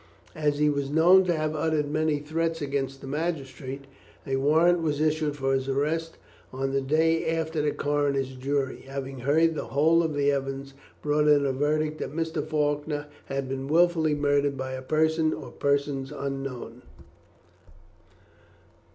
As he was known to have uttered many threats against the magistrate, a warrant was issued for his arrest on the day after the coroner's jury, having heard the whole of the evidence, brought in a verdict that Mr. Faulkner had been wilfully murdered by a person or persons unknown.